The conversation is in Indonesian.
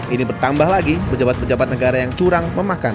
ini bertambah lagi pejabat pejabat negara yang curang memakan